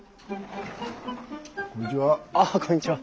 こんにちは。